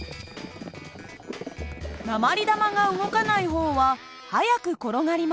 鉛玉が動かない方は速く転がりました。